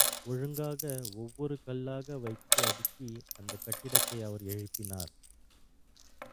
ஒழுங்காக ஒவ்வொரு கல்லாக வைத்து அடுக்கி அந்தக் கட்டிடத்தை அவர் எழுப்பினார்.